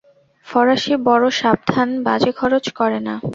ফরাসী বড় সাবধান, বাজে খরচ করে না।